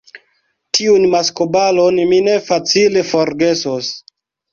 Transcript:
tiun maskobalon mi ne facile forgesos!